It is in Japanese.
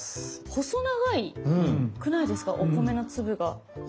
細長いくないですかお米の粒が。